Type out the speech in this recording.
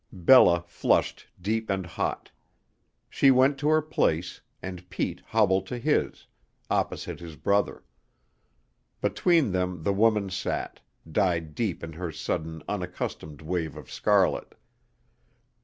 Bella flushed deep and hot. She went to her place, and Pete hobbled to his, opposite his brother. Between them the woman sat, dyed deep in her sudden unaccustomed wave of scarlet.